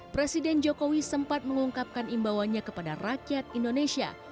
presiden jokowi sempat mengungkapkan imbauannya kepada rakyat indonesia